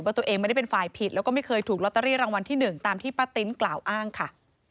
ตัวเองไม่ได้เป็นฝ่ายผิดแล้วก็ไม่เคยถูกลอตเตอรี่รางวัลที่๑ตามที่ป้าติ๊นกล่าวอ้างค่ะ